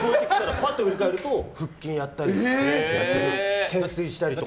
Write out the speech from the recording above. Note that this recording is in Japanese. パッと振り返ると腹筋やってたり懸垂したりとか。